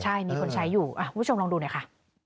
ใช่มีคนใช้อยู่วิทยุงลองดูหน่อยค่ะ